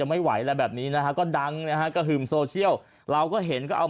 ไม่ไหวแล้วแบบนี้นะฮะก็ดังนะฮะกระหึ่มโซเชียลเราก็เห็นก็เอา